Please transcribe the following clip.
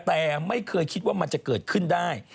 แต่ไม่เคยคิดว่ามันจะเกิดขึ้นได้